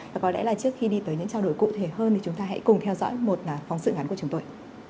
và có lẽ là trước khi đi tới những trao đổi cụ thể hơn thì chúng ta hãy cùng theo dõi một phóng sự ngắn của chúng tôi